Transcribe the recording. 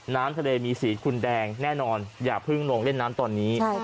น้ำทะเลมีสีคุณแดงแน่นอนอย่าเพิ่งลงเล่นน้ำตอนนี้